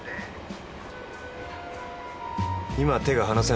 今手が離せないそうだ。